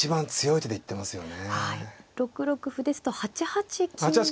６六歩ですと８八金から。